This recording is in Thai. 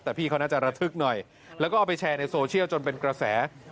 แต่พี่เขาน่าจะระทึกหน่อยแล้วก็เอาไปแชร์ในโซเชียลจนเป็นกระแส